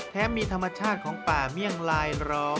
มีธรรมชาติของป่าเมี่ยงลายร้อง